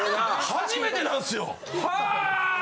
初めてなんすよ。へえ！